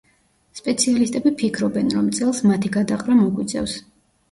სპეციალისტები ფიქრობენ, რომ წელს მათი გადაყრა მოგვიწევს.